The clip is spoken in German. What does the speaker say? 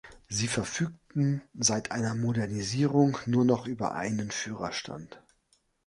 Sie verfügten seit einer Modernisierung nur noch über einen Führerstand.